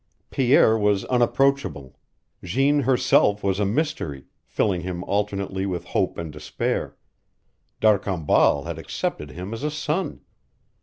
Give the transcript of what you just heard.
Pierre was unapproachable; Jeanne herself was a mystery, filling him alternately with hope and despair; D'Arcambal had accepted him as a son.